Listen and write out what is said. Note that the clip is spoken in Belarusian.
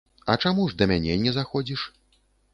А чаму ж да мяне не заходзіш?